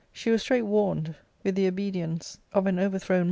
She was straight warned wth the obedience of an overthrown ARCADIA.